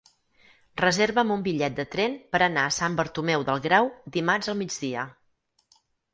Reserva'm un bitllet de tren per anar a Sant Bartomeu del Grau dimarts al migdia.